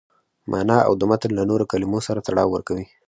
مانا او د متن له نورو کلمو سره تړاو ورکوي.